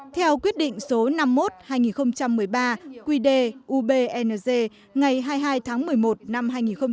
theo quyết định số năm mươi một hai nghìn một mươi ba quy đề ubng ngày hai mươi hai tháng một mươi một năm hai nghìn một mươi ba